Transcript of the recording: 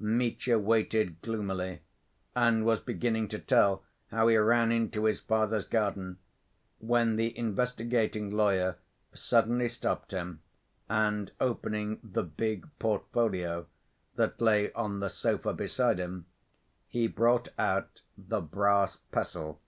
Mitya waited gloomily, and was beginning to tell how he ran into his father's garden when the investigating lawyer suddenly stopped him, and opening the big portfolio that lay on the sofa beside him he brought out the brass pestle.